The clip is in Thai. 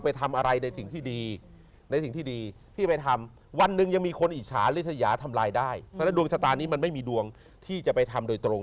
เพราะดวงชะตานี้มันไม่มีดวงที่จะไปทำโดยตรง